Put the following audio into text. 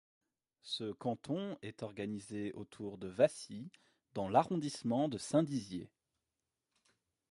Ce canton est organisé autour de Wassy dans l'arrondissement de Saint-Dizier.